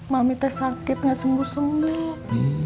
mami teh sakit gak sembuh sembuh